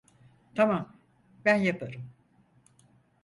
Tamam, ben yaparım.